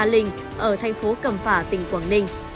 trần thị ba và vũ nga linh ở thành phố cầm phả tỉnh quảng ninh